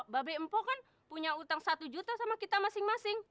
babe empo kan punya utang satu juta sama kita masing masing